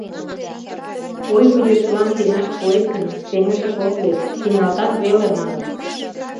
Ойго-йӧсылан сеҥаш пуэт гын, сеҥышыш от лек, сеҥалтат веле, маныт.